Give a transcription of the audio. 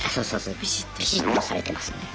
ビシッとされてますよね。